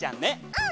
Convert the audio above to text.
うん。